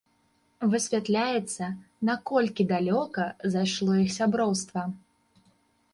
Высвятляецца, наколькі далёка зайшло іх сяброўства.